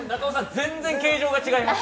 全然形状が違います